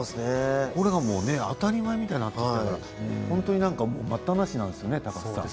これが当たり前みたいになってきたから本当に待ったなしなんですね。